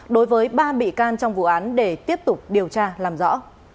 đối với ba bị can trong vụ án để tiếp tục điều tra làm rõ